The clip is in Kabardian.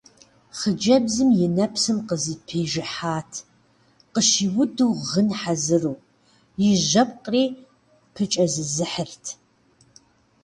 Хъыджэбзым и нэпсым къызэпижыхьат, къыщиуду гъын хьэзыру, и жьэпкъри пыкӀэзызыхьырт.